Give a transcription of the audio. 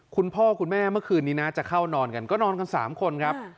คุณพ่อคุณแม่เมื่อคืนนี้นะจะเข้านอนกันก็นอนกัน๓คนครับ